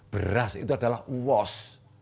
beras itu adalah uos